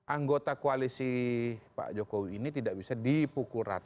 anggota koalisi pak jokowi ini tidak bisa dipukul rata